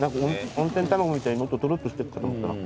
温泉卵みたいにもっとトロッとしてるかと思ったら。